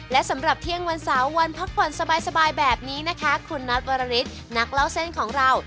และสำหรับเที่ยงวันเสาร์วันพักผ่อนสบายแบบนี้นะคะคุณน็อตวรริสนักเล่าเส้นของเรา